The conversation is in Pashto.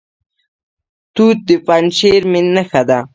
توت د پنجشیر نښه ده.